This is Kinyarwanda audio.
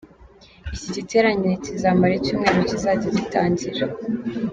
Iki giterane kizamara icyumweru kizajya gitangira.